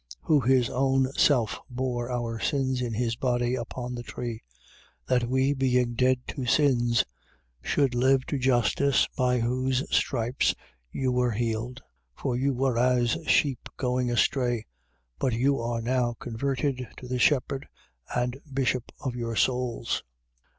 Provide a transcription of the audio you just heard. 2:24. Who his own self bore our sins in his body upon the tree: that we, being dead to sins, should live to justice: by whose stripes you were healed. 2:25. For you were as sheep going astray: but you are now converted to the shepherd and bishop of your souls.